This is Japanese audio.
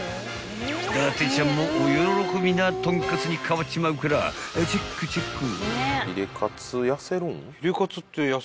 ［伊達ちゃんもお喜びなとんかつに変わっちまうからチェックチェック］